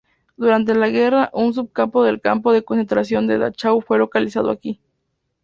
Durante la guerra, un subcampo del campo de concentración de Dachau fue localizado aquí.